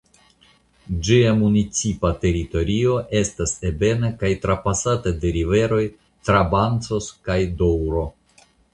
Ĝia municipa teritorio estas ebena kaj trapasata de la riveroj Trabancos kaj Doŭro.